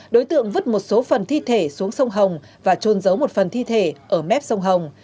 đối tượng vứt một số phần thi thể xuống sông hồng và trôn giấu một phần thi thể ở mép sông hồng